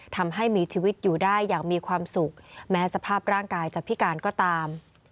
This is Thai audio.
ทำให้มีชีวิตอยู่ได้อย่างมีความสุขแม้สภาพร่างกายจะพิการก็ตาม